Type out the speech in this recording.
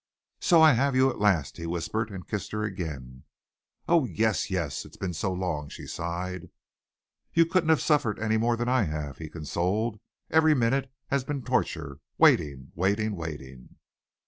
"So I have you at last," he whispered, and kissed her again. "Oh, yes, yes, and it has been so long," she sighed. "You couldn't have suffered any more than I have," he consoled. "Every minute has been torture, waiting, waiting, waiting!"